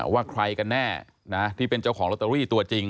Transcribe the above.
ว่าใครกันแน่ที่เป็นเจ้าของลอตเตอรี่ตัวจริง